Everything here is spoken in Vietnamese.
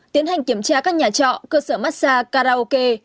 tiến hành kiểm tra các nhà trọ cơ sở massage karaoke